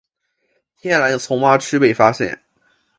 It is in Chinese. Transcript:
天蓝丛蛙区被发现。